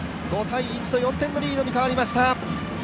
５−１と４点のリードに変わりました。